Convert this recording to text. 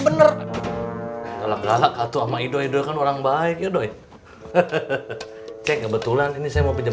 bener galak galak atuh sama ido ido kan orang baik ya doi hehehe cek kebetulan ini saya mau pinjam